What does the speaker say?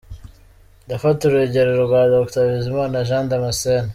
Ndafata urugero rwa Dr Bizimana Jean Damascene.